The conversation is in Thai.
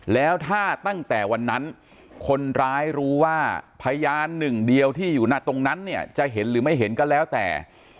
แล้วถ้าตั้งแต่วันนั้นคนร้ายรู้ว่าพยานหนึ่งเดียวที่อยู่ตรงนั้นเนี่ยจะเห็นหรือไม่เห็นก็แล้วแต่